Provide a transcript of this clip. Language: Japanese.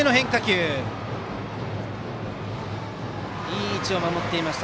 いい位置に守っていました